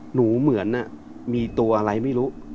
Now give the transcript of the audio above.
เหมือนมีตัวอะไรไม่รู้